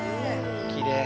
きれい。